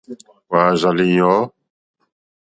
Wàà rzà lìyɔ̌.